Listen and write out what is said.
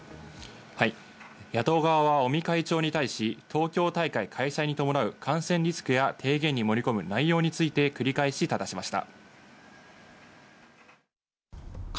野党側は尾身会長に対し、東京大会開催に伴う感染リスクや提言に盛り込む内容について繰り返し質しました。